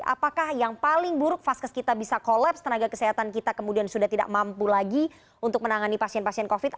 apakah yang paling buruk vaskes kita bisa kolaps tenaga kesehatan kita kemudian sudah tidak mampu lagi untuk menangani pasien pasien covid